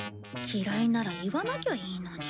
嫌いなら言わなきゃいいのに。